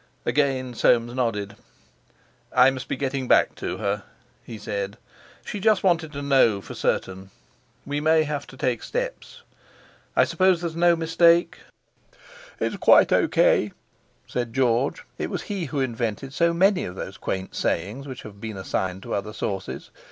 Again Soames nodded. "I must be getting back to her," he said; "she just wanted to know for certain. We may have to take steps. I suppose there's no mistake?" "It's quite O.K.," said George—it was he who invented so many of those quaint sayings which have been assigned to other sources.